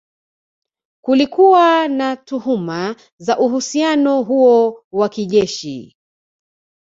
Kulikuwa na tuhuma za uhusiano huo wa kijeshi